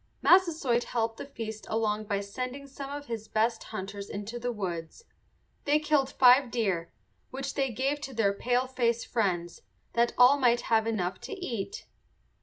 Massasoit helped the feast along by sending some of his best hunters into the woods. They killed five deer, which they gave to their paleface friends, that all might have enough to eat.